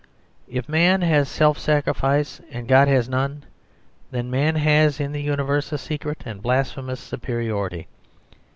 If man has self sacrifice and God has none, then man has in the Universe a secret and blasphemous superiority.